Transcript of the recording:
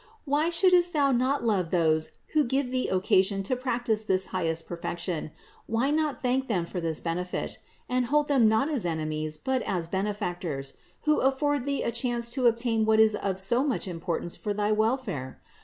Why shouldst thou not love those who give thee occasion to practice this highest perfection, why not thank them for this benefit, and hold them not as enemies but as benefactors, who afford thee a chance to obtain what is of so much importance for thy welfare